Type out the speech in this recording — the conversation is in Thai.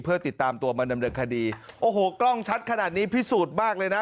เพื่อติดตามตัวมาดำเนินคดีโอ้โหกล้องชัดขนาดนี้พิสูจน์มากเลยนะ